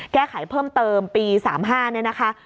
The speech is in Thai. แก้ไขเพิ่มเติมปี๓๕นะคะ